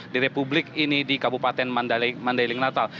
di republik ini di kabupaten mandailing natal